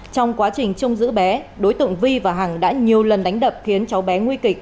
trong quá trình trông giữ bé đối tượng vi và hằng đã nhiều lần đánh đập khiến cháu bé nguy kịch